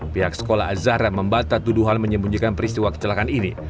pihak sekolah azahra membatat tuduhan menyembunyikan peristiwa kecelakaan ini